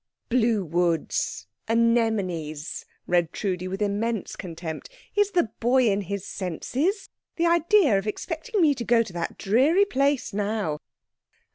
"Blue woods! Anemones!" read Trudi with immense contempt. "Is the boy in his senses? The idea of expecting me to go to that dreary place now.